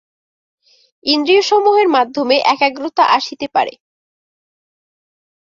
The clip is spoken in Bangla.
ইন্দ্রিয়সমূহের মাধ্যমে একাগ্রতা আসিতে পারে।